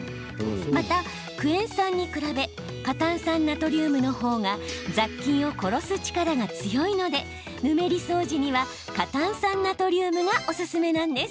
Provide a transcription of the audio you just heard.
また、クエン酸に比べ過炭酸ナトリウムのほうが雑菌を殺す力が強いのでヌメリ掃除には過炭酸ナトリウムがおすすめなんです。